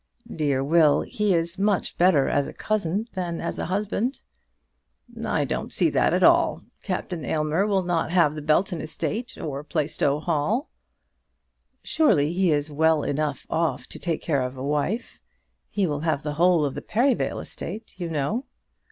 "Dear Will. He is much better as a cousin than as a husband." "I don't see that at all. Captain Aylmer will not have the Belton estate or Plaistow Hall." "Surely he is well enough off to take care of a wife. He will have the whole of the Perivale estate, you know."